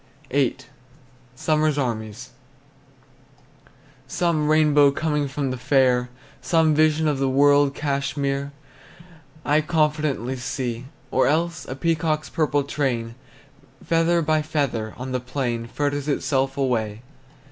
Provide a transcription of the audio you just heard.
VIII. SUMMER'S ARMIES. Some rainbow coming from the fair! Some vision of the world Cashmere I confidently see! Or else a peacock's purple train, Feather by feather, on the plain Fritters itself away!